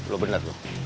lu bener tuh